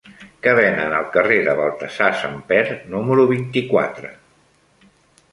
Què venen al carrer de Baltasar Samper número vint-i-quatre?